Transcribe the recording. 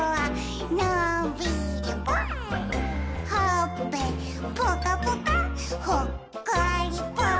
「ほっぺぽかぽかほっこりぽっ」